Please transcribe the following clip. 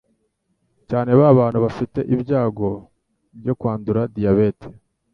cyane ba bantu bafite ibyago byo kwandura diabete